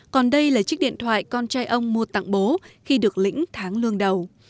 còn đây là chiếc điện thoại con trai ông mua tặng bố khi được lĩnh tháng lương đầu